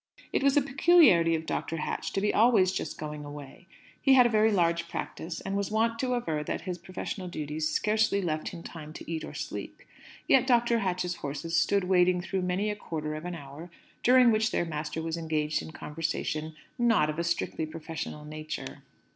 It was a peculiarity of Dr. Hatch to be always just going away. He had a very large practice, and was wont to aver that his professional duties scarcely left him time to eat or sleep. Yet Dr. Hatch's horses stood waiting through many a quarter of an hour during which their master was engaged in conversation not of a strictly professional nature.